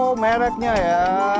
oh mereknya ya